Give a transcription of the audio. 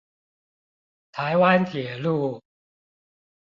台灣鐵路